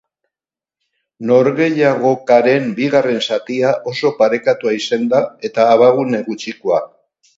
Norgehiagokaren bigarren zatia oso parekatua izan da, eta abagune gutxikoa.